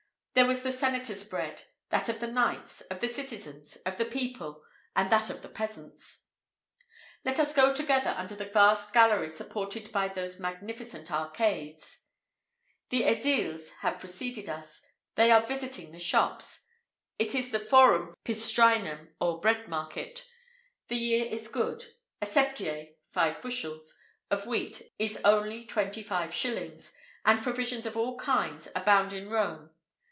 [IV 59] There was the senator's bread, that of the knights, of the citizens, of the people, and that of the peasants.[IV 60] Let us go together under the vast galleries supported by those magnificent arcades.[IV 61] The ediles have preceded us; they are visiting the shops;[IV 62] it is the Forum Pistrinum, or bread market. The year is good: a septier (five bushels) of wheat is only twenty five shillings,[IV 63] and provisions of all kinds abound in Rome.